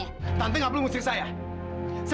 kalau pintu manusia ny fractal diruang dimasukin yayangnya